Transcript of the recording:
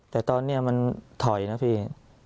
แต่ตอนนี้มันถอยนะพี่